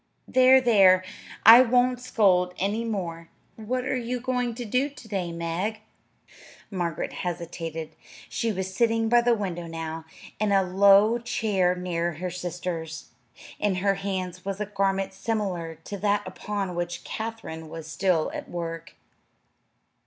There, there! I won't scold any more. What are you going to do to day, Meg?" Margaret hesitated. She was sitting by the window now, in a low chair near her sister's. In her hands was a garment similar to that upon which Katherine was still at work.